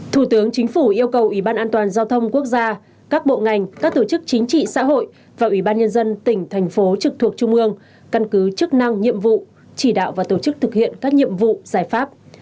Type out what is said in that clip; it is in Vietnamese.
thủ tướng chính phủ yêu cầu ủy ban an toàn giao thông quốc gia các bộ ngành các tổ chức chính trị xã hội và ủy ban nhân dân tỉnh thành phố trực thuộc trung ương căn cứ chức năng nhiệm vụ chỉ đạo và tổ chức thực hiện các nhiệm vụ giải pháp